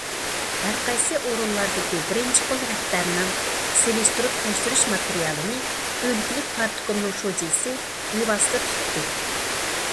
ھەر قايسى ئورۇنلاردىكى بىرىنچى قول رەھبەرنىڭ سېلىشتۇرۇپ تەكشۈرۈش ماتېرىيالىنى ئۆلكىلىك پارتكومنىڭ شۇجىسى بىۋاسىتە تۇتتى.